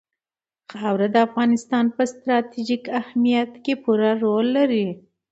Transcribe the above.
خاوره د افغانستان په ستراتیژیک اهمیت کې پوره رول لري.